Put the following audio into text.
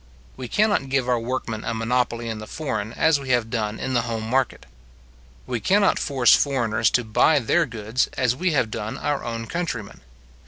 We cannot give our workmen a monopoly in the foreign, as we have done in the home market. We cannot force foreigners to buy their goods, as we have done our own countrymen.